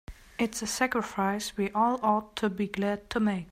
It's a sacrifice we all ought to be glad to make.